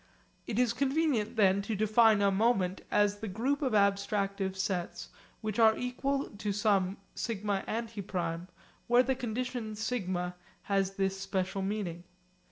It is convenient then to define a moment as the group of abstractive sets which are equal to some σ antiprime, where the condition σ has this special meaning.